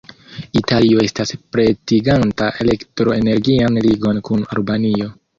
Italio estas pretiganta elektro-energian ligon kun Albanio.